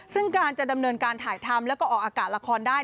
ซึ่งการจะดำเนินการถ่ายทำแล้วก็ออกอากาศละครได้